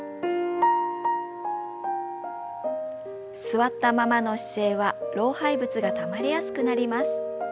座ったままの姿勢は老廃物がたまりやすくなります。